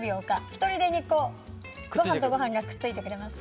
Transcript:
ひとりでにごはんとごはんがくっついてくれます。